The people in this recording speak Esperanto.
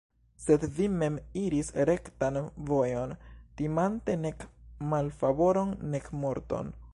Sed vi mem iris rektan vojon, timante nek malfavoron, nek morton.